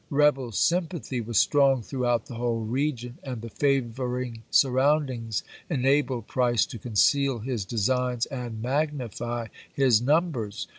Rebel sympathy was strong throughout the whole region, and the favoring surroundings enabled Price to conceal his designs and magnify his numbers.